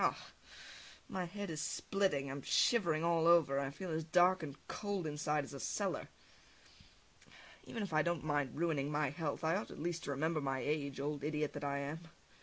Ugh! My head is splitting, I am shivering all over, and I feel as dark and cold inside as a cellar! Even if I don't mind ruining my health, I ought at least to remember my age, old idiot that I am!